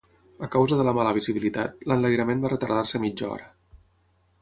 A causa de la mala visibilitat, l'enlairament va retardar-se mitja hora.